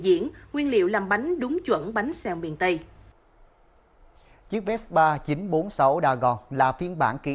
diễn nguyên liệu làm bánh đúng chuẩn bánh xèo miền tây chiếc vespa chín trăm bốn mươi sáu dagon là phiên bản kỷ